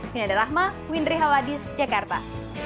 saya nadia rahma windri haladis jakarta